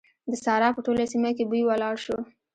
د سارا په ټوله سيمه کې بوی ولاړ شو.